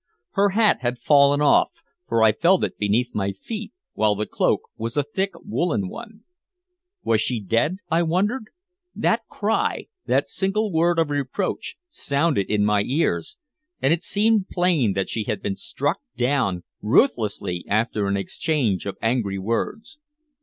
Her hat had fallen off, for I felt it beneath my feet, while the cloak was a thick woolen one. Was she dead, I wondered? That cry that single word of reproach sounded in my ears, and it seemed plain that she had been struck down ruthlessly after an exchange of angry words.